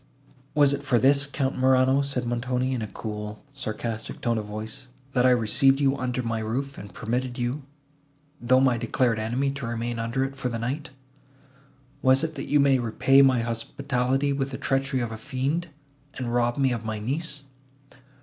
"Was it for this, Count Morano," said Montoni, in a cool sarcastic tone of voice, "that I received you under my roof, and permitted you, though my declared enemy, to remain under it for the night? Was it, that you might repay my hospitality with the treachery of a fiend, and rob me of my niece?"